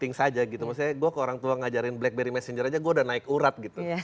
things aja gitu maksudnya gue ke orang tua ngajarin blackberry messenger aja gue udah naik urat gitu